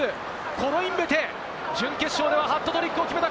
コロインベテ、準決勝ではハットトリックを決めた！